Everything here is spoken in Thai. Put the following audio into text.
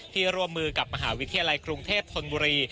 ร่วมมือกับมหาวิทยาลัยกรุงเทพธนบุรี